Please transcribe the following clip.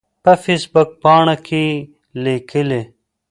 په فیسبوک پاڼه کې کې لیکلي